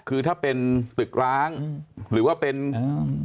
คือถ้าเป็นตึกร้างหรือว่าเป็นอ่า